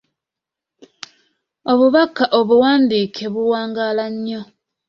Obubbaka obuwandiike buwangaala nnyo.